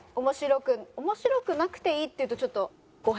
面白く面白くなくていいっていうとちょっと。